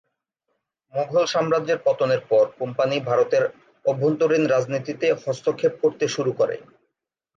মুঘল সাম্রাজ্যের পতনের পর কোম্পানি ভারতের অভ্যন্তরীণ রাজনীতিতে হস্তক্ষেপ করতে শুরু করে।